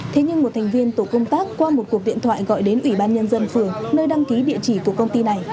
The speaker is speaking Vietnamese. thế nhưng một thành viên tổ công tác qua một cuộc điện thoại gọi đến ủy ban nhân dân phường nơi đăng ký địa chỉ của công ty này